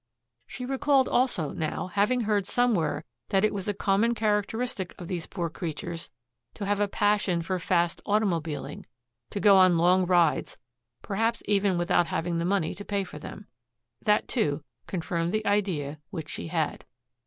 She recalled also now having heard somewhere that it was a common characteristic of these poor creatures to have a passion for fast automobiling, to go on long rides, perhaps even without having the money to pay for them. That, too, confirmed the idea which she had.